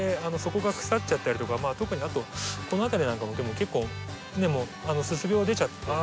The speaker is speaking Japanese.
そこが腐っちゃったりとか特にあとこの辺りなんかも結構すす病出ちゃって。